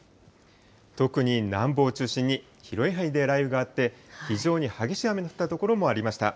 特に南部を中心に広い範囲で雷雨があって、非常に激しい雨の降った所もありました。